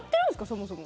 そもそも。